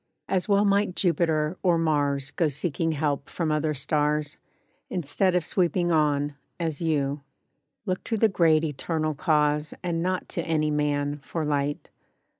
As well might Jupiter, or Mars Go seeking help from other stars, Instead of sweeping ON, as you. Look to the Great Eternal Cause And not to any man, for light.